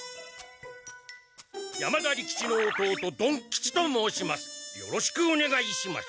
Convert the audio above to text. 山田利吉の弟曇吉と申します！